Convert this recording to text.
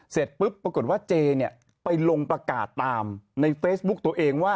เสร็จปุ๊บปรากฏว่าเจเนี่ยไปลงประกาศตามในเฟซบุ๊กตัวเองว่า